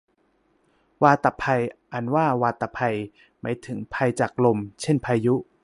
วาตภัย อ่านว่าวาตะไพ หมายถึงภัยจากลม เช่นพายุ